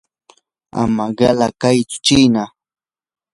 ama qila kaytsu chiina.